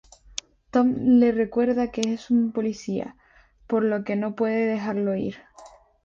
Tom le recuerda que es un policía, por lo que no puede dejarlo ir.